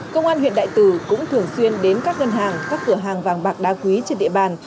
công an huyện đại từ cũng thường xuyên đến các ngân hàng các cửa hàng vàng bạc đá quý trên địa bàn